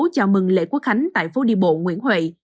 chào mừng lễ quốc khánh tại phố đi bộ nguyễn huệ